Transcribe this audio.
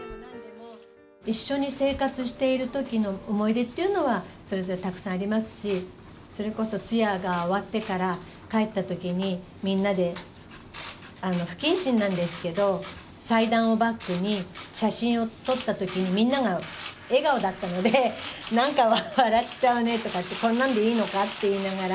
一緒に生活しているときの思い出っていうのはそれぞれたくさんありますし、それこそ通夜が終わってから帰ったときに、みんなで、不謹慎なんですけど、祭壇をバックに写真を撮ったときにみんなが笑顔だったので、なんか笑っちゃうねとか言って、こんなんでいいのかって言いながら。